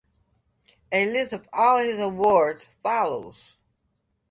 A list of all his awards follows.